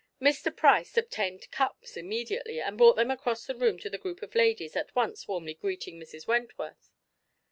Mr. Price obtained cups immediately, and brought them across the room to the group of ladies, at once warmly greeting Mrs. Wentworth.